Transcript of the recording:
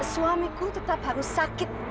suamiku tetap harus sakit